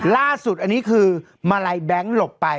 ล่าสุดอันนี้คือมาลัยแบงค์หลบไป